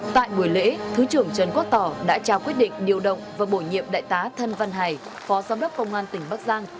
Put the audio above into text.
tại buổi lễ thứ trưởng trần quốc tỏ đã trao quyết định điều động và bổ nhiệm đại tá thân văn hải phó giám đốc công an tỉnh bắc giang